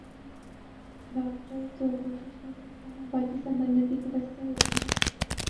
doctor تو کوشش کر سکتے ہیں باقی سب اللہ کی طرف سے ھوتی ہے